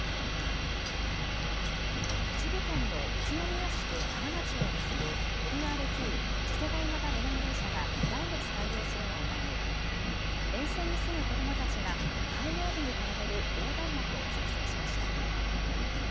栃木県の宇都宮市と芳賀町を結ぶＬＲＴ・次世代型路面電車が来月開業するのを前に沿線に住む子どもたちが開業日に掲げる横断幕を作成しました。